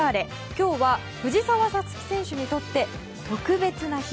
今日は藤澤五月選手にとって特別な日。